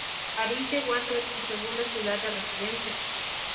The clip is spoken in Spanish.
París llegó a ser su segunda ciudad de residencia.